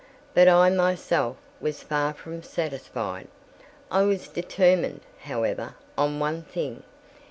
But I myself was far from satisfied. I was determined, however, on one thing.